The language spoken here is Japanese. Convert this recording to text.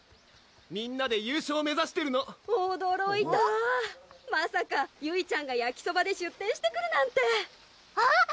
みんなで優勝目指してるの・おどろいた・まさかゆいちゃんがやきそばで出店してくるなんてあっ！